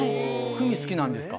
グミ好きなんですか。